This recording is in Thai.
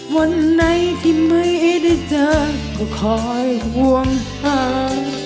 วันไหนที่ไม่ได้เจอก็คอยห่วงห่าง